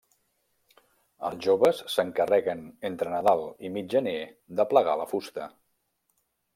Els joves s'encarreguen entre Nadal i mig gener d'aplegar la fusta.